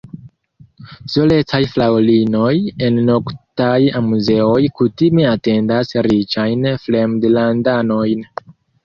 Solecaj fraŭlinoj en noktaj amuzejoj kutime atendas riĉajn fremdlandanojn.